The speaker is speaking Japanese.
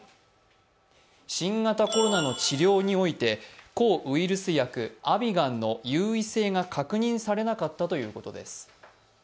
新型コロナの治療において抗ウイルス薬、アビガンの有意性が確認されなかったということです。